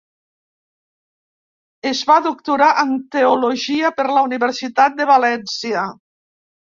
Es va doctorar en teologia per la Universitat de València.